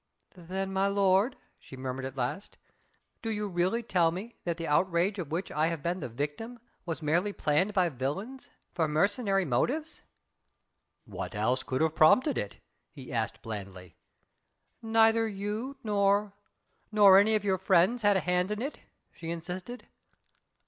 "Then, my lord," she murmured at last, "do you really tell me that the outrage of which I have been the victim was merely planned by villains, for mercenary motives?" "What else could have prompted it?" he asked blandly. "Neither you ... nor ... nor any of your friends had a hand in it?" she insisted.